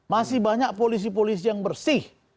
masih banyak polisi polisi yang bersih